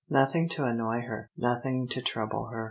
Nothing to annoy her, nothing to trouble her.